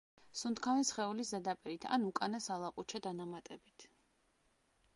სუნთქავენ სხეულის ზედაპირით ან უკანა სალაყუჩე დანამატებით.